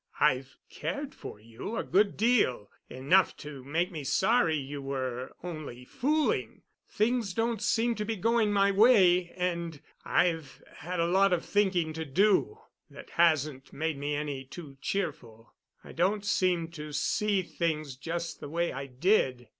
I've cared for you a good deal—enough to make me sorry you were only fooling. Things don't seem to be going my way, and I've had lot of thinking to do that hasn't made me any too cheerful. I don't seem to see things just the way I did.